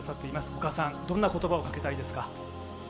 お母さん、どんな言葉をかけたいですか。